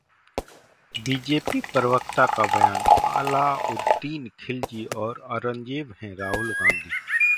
BJP प्रवक्ता का बयान- अलाउद्दीन खिलजी और औरंगजेब हैं राहुल गांधी